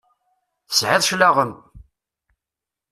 Tesɛiḍ cclaɣem!